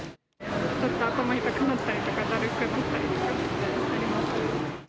ちょっと頭が痛くなったりとか、だるくなったりとかあります。